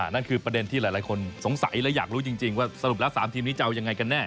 นั่นคือประเด็นที่หลายคนสงสัยและอยากรู้จริงว่าสรุปแล้ว๓ทีมนี้จะเอายังไงกันแน่